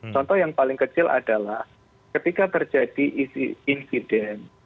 contoh yang paling kecil adalah ketika terjadi insiden